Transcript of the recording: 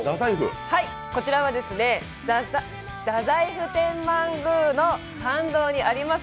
こちらは太宰府天満宮の参道にあります